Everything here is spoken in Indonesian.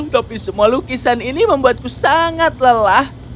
tapi semua lukisan ini membuatku sangat lelah